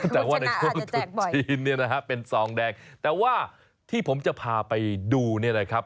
แต่ว่าในช่วงตรุษจีนเป็นซองแดงแต่ว่าที่ผมจะพาไปดูนี่แหละครับ